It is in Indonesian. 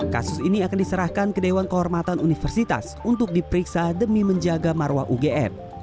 kasus ini akan diserahkan ke dewan kehormatan universitas untuk diperiksa demi menjaga marwah ugm